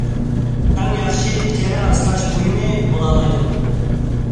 ئەڭ ياخشى تېرە ئاسراش بۇيۇمى بولالايدۇ.